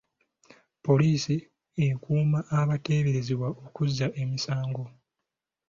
Poliisi ekuuma abateeberezebwa okuzza emisango.